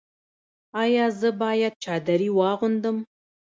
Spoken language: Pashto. ایا زه باید چادري واغوندم؟